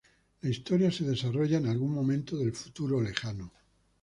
La historia se desarrollo en algún momento del futuro lejano.